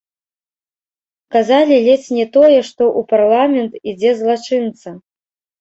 Казалі ледзь не тое, што ў парламент ідзе злачынца!